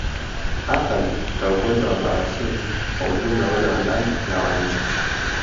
Athari za ugonjwa wa bawasiri kwa ujumla ule wa ndani na wa nje